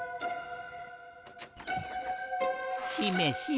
しめしめ。